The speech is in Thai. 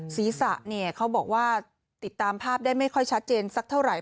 ศีรษะเนี่ยเขาบอกว่าติดตามภาพได้ไม่ค่อยชัดเจนสักเท่าไหร